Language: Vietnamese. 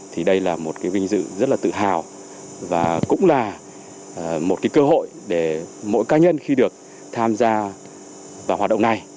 thì đây là một cái vinh dự rất là tự hào và cũng là một cái cơ hội để mỗi cá nhân khi được tham gia vào hoạt động này